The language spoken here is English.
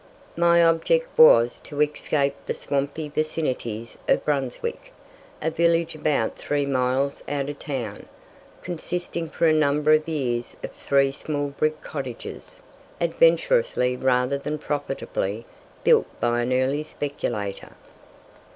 My object was to escape the swampy vicinities of Brunswick, a village about three miles out of town, consisting for a number of years of three small brick cottages, adventurously rather than profitably built by an early speculator.